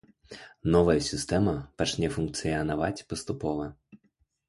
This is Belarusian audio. Новая сістэма пачне функцыянаваць паступова.